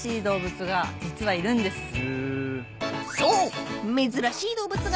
［そう］